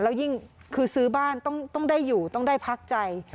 แล้วยิ่งคือซื้อบ้านต้องได้อยู่ต้องได้พักใจ